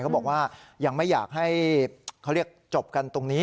เขาบอกว่ายังไม่อยากให้เขาเรียกจบกันตรงนี้